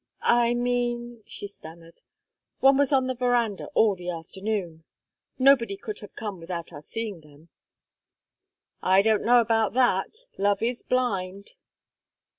"I mean," she stammered, "one was on the verandah all the afternoon. Nobody could have come without our seeing them." "I don't know about that. Love is blind!"